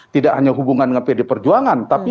tidak hanya hubungan dengan pd perjuangan tapi